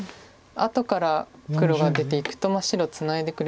後から黒が出ていくと白ツナいでくれる